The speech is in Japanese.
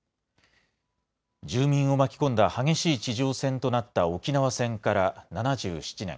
住民を巻き込んだ激しい地上戦となった沖縄戦から７７年。